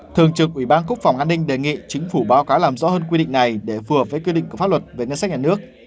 thường trực ủy ban quốc phòng an ninh đề nghị chính phủ báo cáo làm rõ hơn quy định này để phù hợp với quy định của pháp luật về ngân sách nhà nước